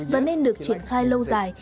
và nên được triển khai lâu dài